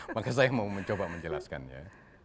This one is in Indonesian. maka saya mau mencoba menjelaskan ya